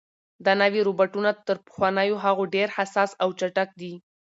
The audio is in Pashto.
دا نوي روبوټونه تر پخوانیو هغو ډېر حساس او چټک دي.